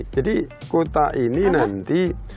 jadi kota ini nanti